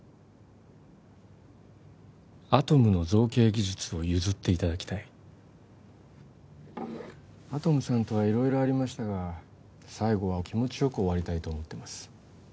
アトムの造形技術を譲っていただきたいアトムさんとは色々ありましたが最後は気持ちよく終わりたいと思ってます